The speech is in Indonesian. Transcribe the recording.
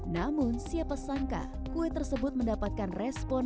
namun siapa sangka kue tersebut mendapatkan respon